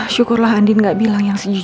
syukurlah andien gak bilang yang sejujurnya